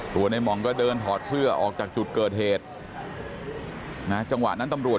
ในหม่องก็เดินถอดเสื้อออกจากจุดเกิดเหตุนะจังหวะนั้นตำรวจ